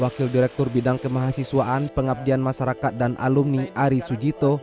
wakil direktur bidang kemahasiswaan pengabdian masyarakat dan alumni ari sujito